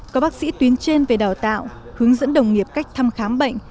có bác sĩ tuyến trên về đào tạo hướng dẫn đồng nghiệp cách thăm khám bệnh